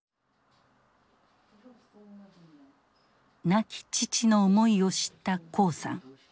亡き父の思いを知った黄さん。